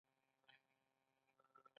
لوښی سپک دی.